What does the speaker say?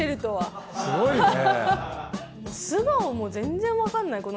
すごいね。